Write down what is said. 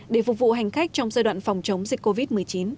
để phục vụ hành khách trong giai đoạn phòng chống dịch covid một mươi chín